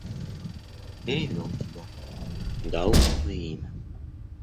Перевел тебя, дал новое имя.